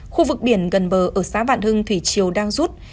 khu vực biển gần bờ ở xã vạn hưng thủy chiều đang rút